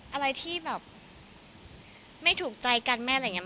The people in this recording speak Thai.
อะไรที่แบบไม่ถูกใจกันแม่อะไรอย่างนี้